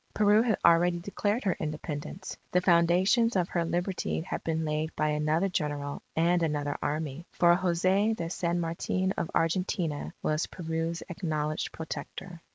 Peru had already declared her Independence. The foundations of her Liberty had been laid by another General and another Army. For Jose de San Martin of Argentina, was Peru's acknowledged Protector.